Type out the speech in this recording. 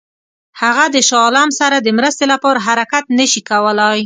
هغه د شاه عالم سره د مرستې لپاره حرکت نه شي کولای.